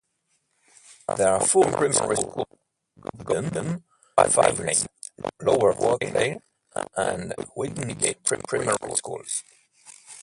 There are four primary schools: Cobden, Five Lanes, Lower Wortley, and Whingate primary schools.